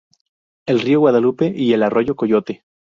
El río Guadalupe y el arroyo Coyote.